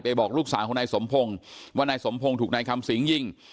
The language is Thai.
ไปบอกลูกสาวที่วุคในสมพงศ์ว่าในสำพงศ์ถูกในคำสิงห์หญิง